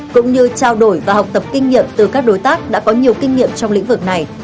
cũng như trao đổi và học tập kinh nghiệm từ các đối tác đã có nhiều kinh nghiệm trong lĩnh vực này